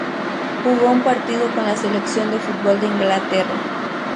Jugó un partido con la selección de fútbol de Inglaterra.